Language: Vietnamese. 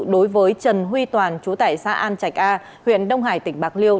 đối với trần huy toàn chú tải xã an trạch a huyện đông hải tỉnh bạc liêu